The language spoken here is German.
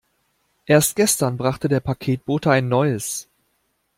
Erst gestern brachte der Paketbote ein neues.